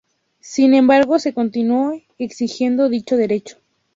Sin embargo, se continuó exigiendo dicho derecho.